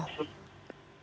ya tentu mbak